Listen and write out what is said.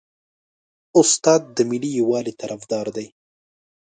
استاد د ملي یووالي طرفدار دی.